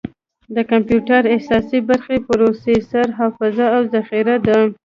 د کمپیوټر اساسي برخې پروسیسر، حافظه، او ذخیره ده.